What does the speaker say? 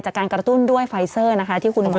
การกระตุ้นด้วยไฟเซอร์นะคะที่คุณหมอ